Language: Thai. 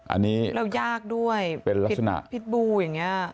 อันนี้แล้วยากด้วยเป็นลักษณะพิษบูอย่างนี้